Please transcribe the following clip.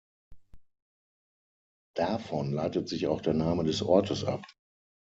Davon leitet sich auch der Name des Ortes ab.